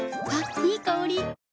いい香り。